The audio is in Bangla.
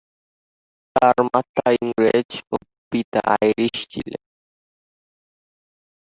তার মাতা ইংরেজ ও পিতা আইরিশ ছিলেন।